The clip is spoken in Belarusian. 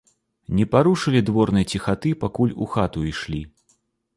Не парушылі дворнай ціхаты, пакуль у хату ішлі.